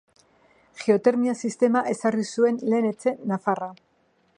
Geotermia sistema ezarri zuen lehen etxe nafarra.